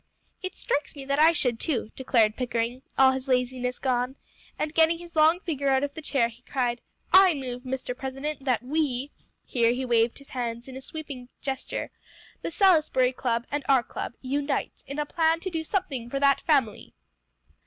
"It strikes me that I should, too," declared Pickering, all his laziness gone. And getting his long figure out of the chair, he cried, "I move, Mr. President, that we," here he waved his hands in a sweeping gesture, "the Salisbury Club and our club, unite in a plan to do something for that family."